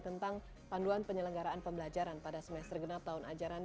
tentang panduan penyelenggaraan pembelajaran pada semester genap tahun ajaran